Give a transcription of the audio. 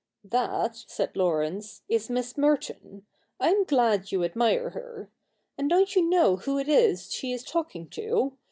* That,' said Laurence, ' is Miss Merton. I am glad you admire her. And don't you know who it is she is talking to?